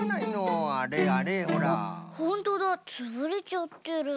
ホントだつぶれちゃってる。